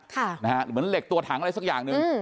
ค่ะนะฮะเหมือนเหล็กตัวถังอะไรสักอย่างหนึ่ง